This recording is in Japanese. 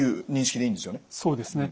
そうですね。